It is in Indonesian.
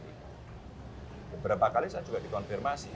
beberapa kali saya juga dikonfirmasi